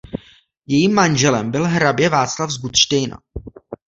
Jejím manželem byl hrabě Václav z Gutštejna.